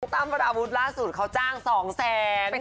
ตัมประบูทล่าสูตรเขาจ้าง๒๐๐๐๐๐บาท